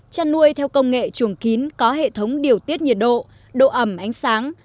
chăn nuôi theo công nghệ chuồng kín có hệ thống điều tiết nhiệt độ độ ẩm ánh sáng